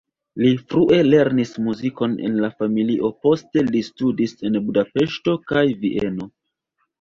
Li frue lernis muzikon en la familio, poste li studis en Budapeŝto kaj Vieno.